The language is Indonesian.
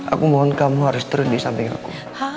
aku mohon kamu harus turun di samping aku